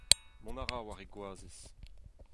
Mont a ra war e goazez.